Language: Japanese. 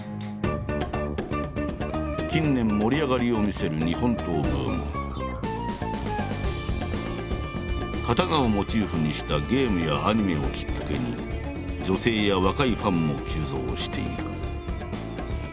近年盛り上がりを見せる刀をモチーフにしたゲームやアニメをきっかけに女性や若いファンも急増している。